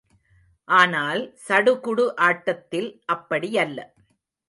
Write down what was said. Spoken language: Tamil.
ஆனால், சடுகுடு ஆட்டத்தில் அப்படியல்ல.